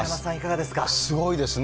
すごいですね。